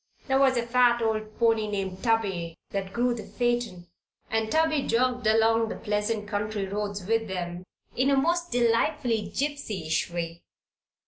There was a fat old pony named Tubby that drew the phaeton, and Tubby jogged along the pleasant country roads with them in a most delightfully gypsyish way.